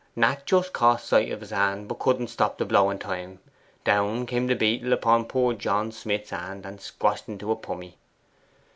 Nat just caught sight of his hand, but couldn't stop the blow in time. Down came the beetle upon poor John Smith's hand, and squashed en to a pummy.